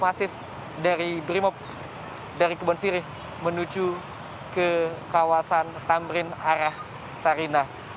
masif dari brimop dari kebon sirih menuju ke kawasan tamrin arah sarinah